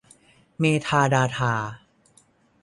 เมทาดาทา